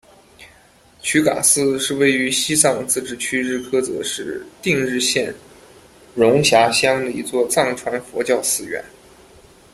曲嘎寺是位于西藏自治区日喀则市定日县绒辖乡的一座藏传佛教寺院。